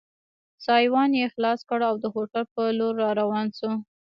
سایوان یې خلاص کړ او د هوټل په لور را روان شو.